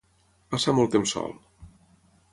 Passa molt temps sol.